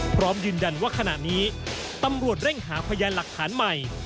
พร้อมยืนยันว่าขณะนี้ตำรวจเร่งหาพยานหลักฐานใหม่